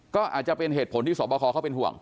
ก็อาจจะเป็นเหตุผลที่สอบคอเขาเป็นห่วง